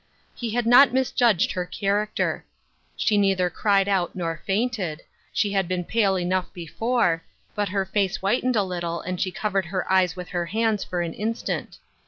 He had not misjudged her character. She neither cried out nor fainted ; she had been pale enough before, but her face whitened a little and she covered her eyes with her hands for an instant.